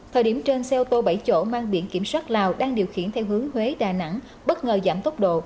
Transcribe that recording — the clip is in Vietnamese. thời điểm trên xe ô tô bảy chỗ mang biển kiểm soát lào đang điều khiển theo hướng huế đà nẵng bất ngờ giảm tốc độ